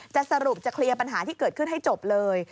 จะสรุปจะเคลียร์ปัญหาที่เกิดขึ้นให้จบเลย